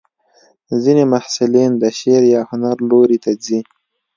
ځینې محصلین د شعر یا هنر لوري ته ځي.